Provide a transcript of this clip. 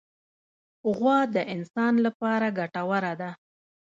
غوا د انسان له پاره ګټوره ده.